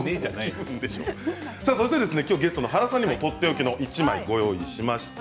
ゲストの原さんにもとっておきの１枚を用意しました。